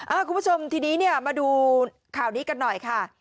คุณผู้ชมทีนี้เนี่ยมาดูข่าวนี้กันหน่อยค่ะ